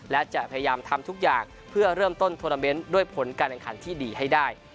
และจะพยายามทำทุกอย่างเพื่อเริ่มต้นโทรนาเมนต์ด้วยผลการแข่งขันที่ดีให้ได้